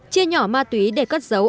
chia nhỏ ma túy để cất giấu